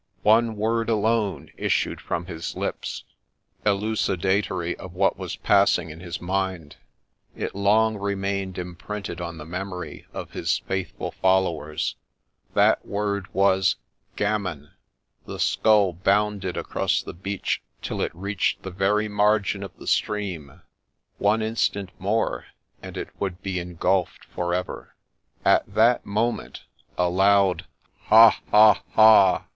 One word alone issued A LEGEND OF SHEPPEY 63 from his lips, elucidatory of what was passing in his mind — it long remained imprinted on the memory of his faithful followers — that word was ' Gammon !' The skull bounded across the beach till it reached the very margin of the stream ;— one instant more, and it would be engulfed for ever. At that moment a loud ' Ha ! ha ! ha